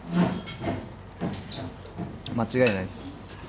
間違いないっす。